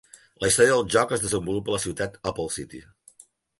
La història del joc es desenvolupa a la ciutat Apple City.